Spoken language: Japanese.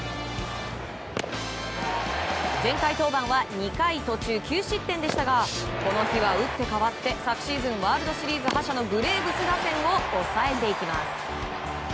前回登板は２回途中９失点でしたがこの日は打って変わって昨シーズンワールドシリーズ覇者のブレーブス打線を抑えていきます。